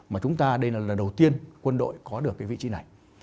mà chúng ta đây là lần đầu tiên quân đội có được cái vị trí này